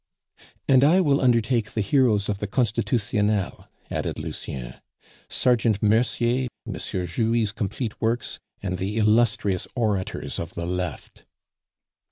"And I will undertake the heroes of the Constitutionnel," added Lucien; "Sergeant Mercier, M. Jouy's Complete Works, and 'the illustrious orators of the Left.